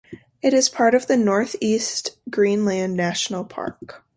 It is part of the Northeast Greenland National Park.